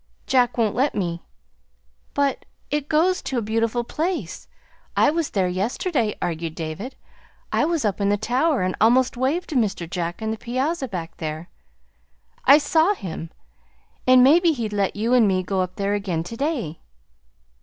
"Jack won't let me." "But it goes to a beautiful place; I was there yesterday," argued David. "And I was up in the tower and almost waved to Mr. Jack on the piazza back there. I saw him. And maybe she'd let you and me go up there again to day."